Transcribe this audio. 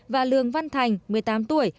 và lương văn thành một mươi tám tuổi